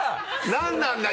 何なんだ？